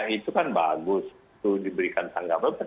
itu kan bagus itu diberikan tanggapan